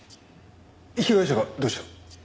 被害者がどうした？